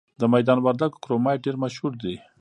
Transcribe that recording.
د میدان وردګو کرومایټ ډیر مشهور دی.